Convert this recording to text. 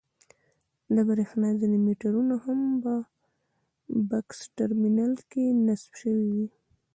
د برېښنا ځینې مېټرونه هم په بکس ټرمینل کې نصب شوي وي.